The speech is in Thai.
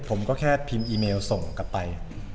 ผมก็แค่พิมพ์อีเมลส่งกลับไป